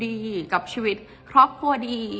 เพราะในตอนนั้นดิวต้องอธิบายให้ทุกคนเข้าใจหัวอกดิวด้วยนะว่า